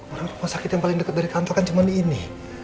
orang rumah sakit yang paling dekat dari kantor kan cuma di ini